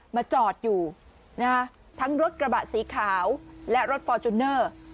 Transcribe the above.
มาจอดอยู่นะฮะทั้งรถกระบะสีขาวและรถฟอร์จูเนอร์